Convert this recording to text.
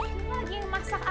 aku lagi mau masak apel